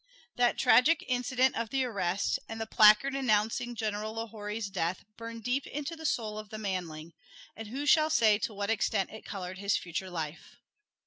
That tragic incident of the arrest, and the placard announcing General Lahorie's death, burned deep into the soul of the manling, and who shall say to what extent it colored his future life?